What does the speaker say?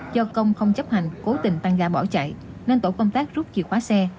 do công không chấp hành cố tình tăng ga bỏ chạy nên tổ công tác rút chìa khóa xe